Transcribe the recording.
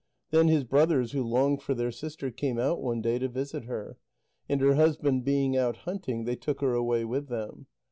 Then her brothers, who longed for their sister, came out one day to visit her. And her husband being out hunting, they took her away with them.